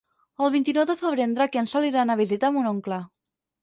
El vint-i-nou de febrer en Drac i en Sol iran a visitar mon oncle.